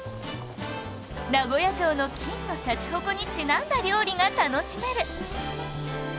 名古屋城の金のシャチホコにちなんだ料理が楽しめる